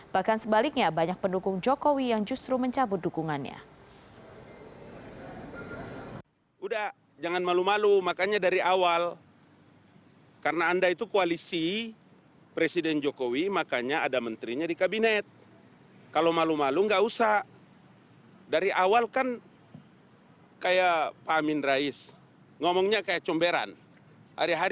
bahkan sebaliknya banyak pendukung jokowi yang justru mencabut dukungannya